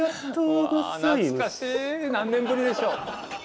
何年ぶりでしょう。